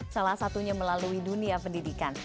salah satunya melalui dunia pendidikan